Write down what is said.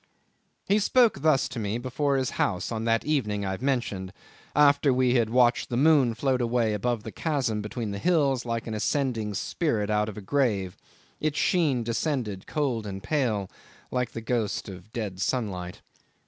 'He spoke thus to me before his house on that evening I've mentioned after we had watched the moon float away above the chasm between the hills like an ascending spirit out of a grave; its sheen descended, cold and pale, like the ghost of dead sunlight.